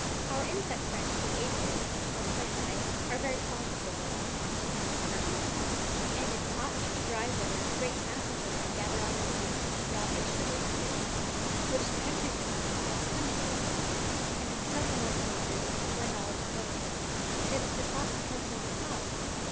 "Our insect friends the aphides, or plant lice, are very fond of the willow," continued Miss Harson, "and in hot, dry weather great masses of them gather on the leaves and drop a sugary juice, which the country people call 'honey dew,' and in some remote places, where knowledge is limited, it has been thought to come from the clouds.